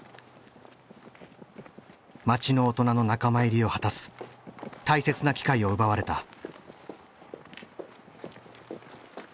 町の大人の仲間入りを果たす大切な機会を奪われた。